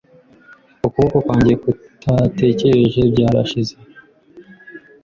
Ukuboko kwanjye kutatekereje Byarashize